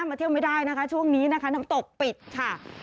มาเที่ยวไม่ได้นะคะช่วงนี้นะคะน้ำตกปิดค่ะ